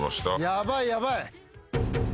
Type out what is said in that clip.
ヤバいヤバい。